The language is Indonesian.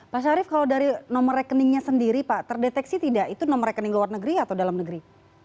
pak syarif kalau dari nomor rekeningnya sendiri pak terdeteksi tidak itu nomor rekening luar negeri atau dalam negeri